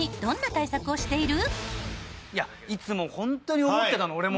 いつもホントに思ってたの俺も。